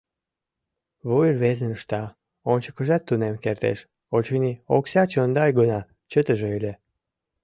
Вуй рвезын ышта, ончыкыжат тунем кертеш, очыни, окса чондай гына чытыже ыле!